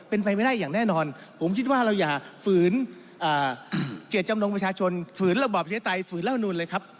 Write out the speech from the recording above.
เป็นไปไม่ได้อย่างแน่นอนผมคิดว่าเราอย่าฝืนเจตจำนงประชาชนฝืนระบอบประชาธิปไตยฝืนเหล้านุนเลยครับ